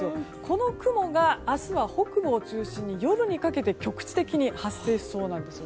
この雲が明日は北部を中心に夜にかけて局地的に発生しそうなんです。